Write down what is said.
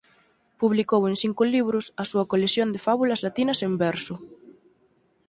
Publicou en cinco libros a súa colección de fábulas latinas en verso.